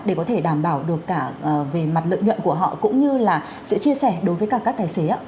để có thể đảm bảo được cả về mặt lợi nhuận của họ cũng như là sẽ chia sẻ đối với các tài xế